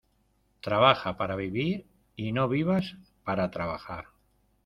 Trabaja para vivir y no vivas para trabajar.